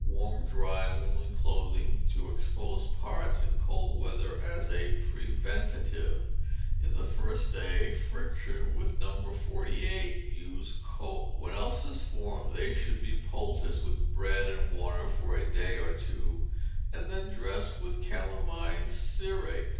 Warm, dry woollen clothing to exposed parts in cold weather, as a preventive. In the first stage, friction with No. 48, used cold. When ulcers form they should be poulticed with bread and water for a day or two, and then dressed with calamine cerate.